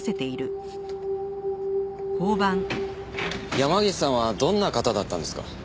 山岸さんはどんな方だったんですか？